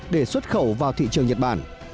để xuất khẩu vào thị trường nhật bản